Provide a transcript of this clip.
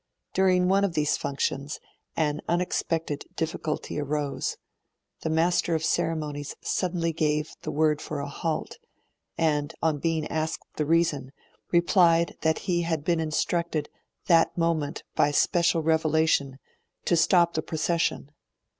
During one of these functions, an unexpected difficulty arose: the Master of Ceremonies suddenly gave the word for a halt, and, on being asked the reason, replied that he had been instructed that moment by special revelation to stop the procession.